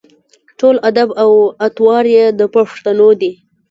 ټول اداب او اطوار یې د پښتنو دي.